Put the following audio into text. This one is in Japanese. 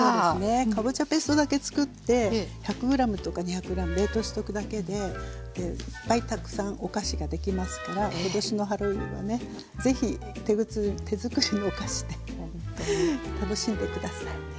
かぼちゃペーストだけつくって１００ｇとか２００ｇ冷凍しておくだけでいっぱいたくさんお菓子ができますから今年のハロウィーンはね是非手づくりのお菓子で楽しんで下さい。